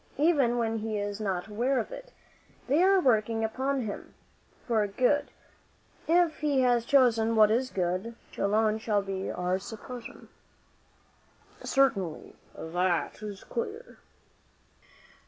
Even when he is not aware of it, they are working upon him, for good, if he has chosen what is good, which alone shall be our supposition." "Certainly; that is clear."